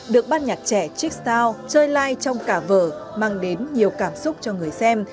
được bát nhạc trẻ chick style chơi like trong cả vở mang đến nhiều cảm xúc cho người xem